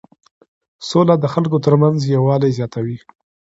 سوله د خلکو ترمنځ یووالی زیاتوي.